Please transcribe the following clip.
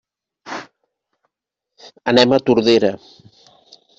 Anem a Tordera.